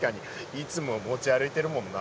いつも持ち歩いてるもんな。